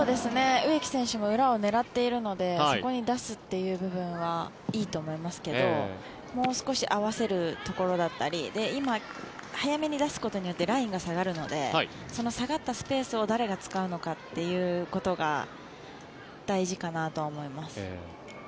植木選手も裏を狙っているのでそこに出すという部分はいいと思いますけどもう少し合わせるところだったり今、早めに出すことによってラインが下がるのでその下がったスペースを誰が使うのかということが大事かなと思います。